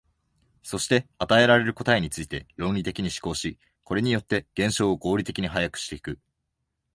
そして与えられる答えについて論理的に思考し、これによって現象を合理的に把握してゆく。